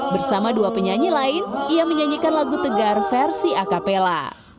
bersama dua penyanyi lain ia menyanyikan lagu tegar versi acapella